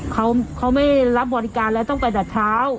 เขาไม่รับบริการแล้วต้องไปแต่เช้า